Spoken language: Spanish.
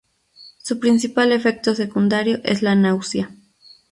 Su principal efecto secundario es la náusea.